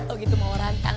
oh gitu mau rantang